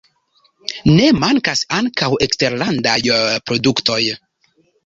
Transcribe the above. Ne mankas ankaŭ eksterlandaj produktoj.